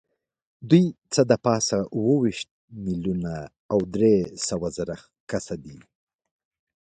دوی څه د پاسه اووه ویشت میلیونه او درې سوه زره کسه دي.